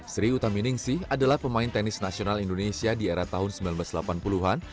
sri utaminingsih adalah pemain tenis nasional indonesia di era tahun seribu sembilan ratus delapan puluh an